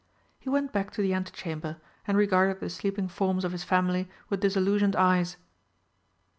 He went back to the antechamber and regarded the sleeping forms of his family with disillusioned eyes.